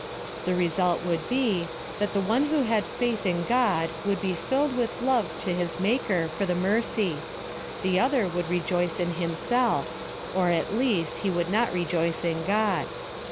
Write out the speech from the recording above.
The result would be, that the one who had faith in God would be filled with love to his Maker for the mercy — the other would rejoice in himself; or, at least, he would not rejoice in God.